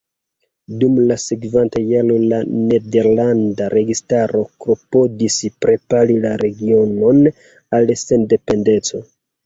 Dum la sekvantaj jaroj la nederlanda registaro klopodis prepari la regionon al sendependeco.